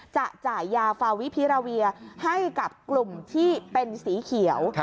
จะจ่ายยาฟาวิพิราเวียให้กับกลุ่มที่เป็นสีเขียว